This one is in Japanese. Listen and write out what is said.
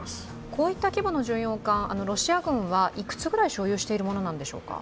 こういった規模の巡洋艦、ロシア軍はいくつぐらい所有してるものなんでしょうか？